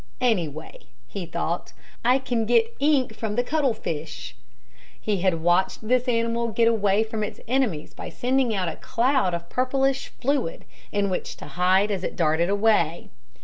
"Anyway," he thought, "I can get ink from the cuttle fish." He had watched this animal get away from its enemies by sending out a cloud of purplish fluid, in which to hide as it darted away.